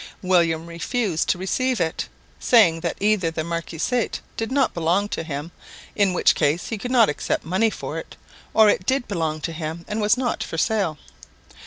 William refused to receive it, saying that either the marquisate did not belong to him, in which case he could not accept money for it, or it did belong to him and was not for sale.